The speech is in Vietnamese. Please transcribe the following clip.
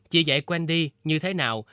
chị dạy wendy như thế nào